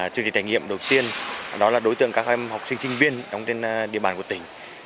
chương trình trải nghiệm đầu tiên đó là đối tượng các em học sinh sinh viên trên địa bàn của tỉnh